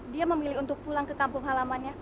dia memilih untuk pulang ke kampung halamannya